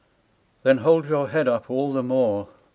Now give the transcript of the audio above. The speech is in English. Then hold your head up all the more.